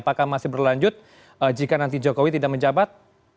apakah masih berlanjut jika nanti jokowi tidak menjabat